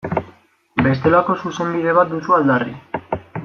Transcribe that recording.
Bestelako Zuzenbide bat duzu aldarri.